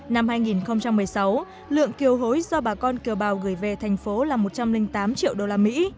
năm hai nghìn một mươi sáu lượng kiều hối do bà con kiều bào gửi về thành phố là một trăm linh tám triệu đô la mỹ